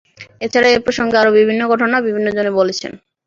এছাড়া এ প্রসঙ্গে আরও বিভিন্ন ঘটনা বিভিন্নজনে বলেছেন।